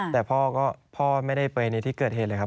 แต่พ่อก็พ่อไม่ได้ไปในที่เกิดเหตุเลยครับ